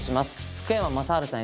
福山雅治さん